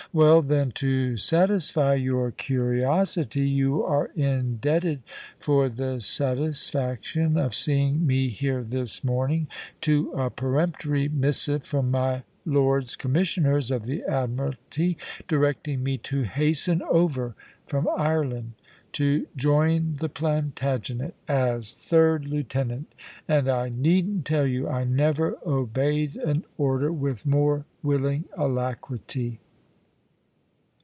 Well then, to satisfy your curiosity you are indebted for the satisfaction of seeing me here this morning, to a peremptory missive from my Lords Commissioners of the Admiralty, directing me to hasten over from Ireland to join the Plantagenet as third lieutenant, and I needn't tell you I never obeyed an order with more willing alacrity."